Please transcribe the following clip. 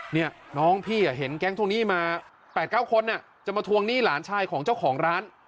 เนี่ยน้องพี่เห็นแก๊งทวงหนี้มา๘๙คนจะมาทวงหนี้หลานชายของเจ้าของร้าน